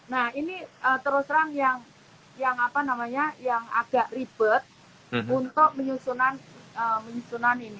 nah ini terus terang yang yang apa namanya yang agak ribet untuk menyusunan menyusunan ini